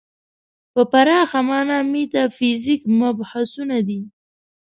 په پراخه معنا میتافیزیک مبحثونه دي.